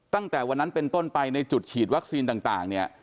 ตั้งแต่วันนั้นเป็นต้นไปในจุดฉีดวัคซีนต่างเนี่ย